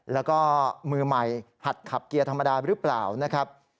แล้วก็มือใหม่หัดขับเกียร์ธรรมดาหรือเปล่านะครับ